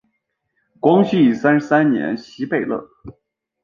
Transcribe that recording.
光绪三十三年袭贝勒。